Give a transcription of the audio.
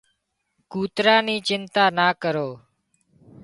ڪُوترا نِي چنتا نا ڪرو